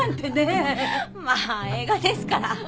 まあ映画ですから。